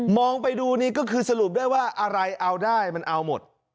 ไปดูนี่ก็คือสรุปได้ว่าอะไรเอาได้มันเอาหมด